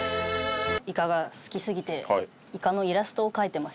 イカが好きすぎてイカのイラストを描いてまして。